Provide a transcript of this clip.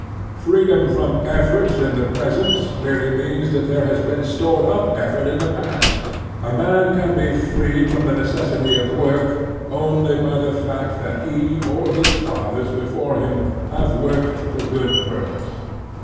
Freedom from effort in the present merely means hru The Strenuous Life 5 that there has been stored up effort in the past. A man can be freed from the necessity of work only by the fact that he or his fathers before him have worked to good purpose.